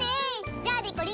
じゃあでこりん。